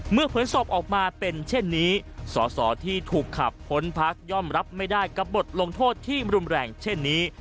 ผลสอบออกมาเป็นเช่นนี้สอสอที่ถูกขับพ้นพักย่อมรับไม่ได้กับบทลงโทษที่รุนแรงเช่นนี้